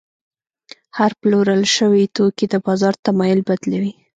هره پلورل شوې توکي د بازار تمایل بدلوي.